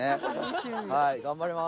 はい頑張ります。